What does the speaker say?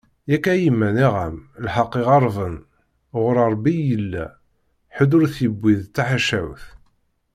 Yak a yemma nniɣ-am, lḥeq imeɣban, ɣur Rebbi i yella, ḥedd ur t-yewwi d taḥawact.